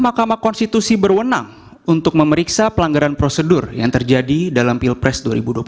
mahkamah konstitusi berwenang untuk memeriksa pelanggaran prosedur yang terjadi dalam pilpres dua ribu dua puluh empat